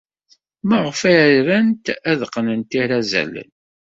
Maɣef ay rant ad qqnent irazalen?